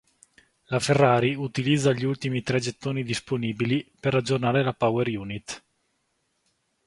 La Ferrari utilizza gli ultimi tre gettoni disponibili per aggiornare la "power unit".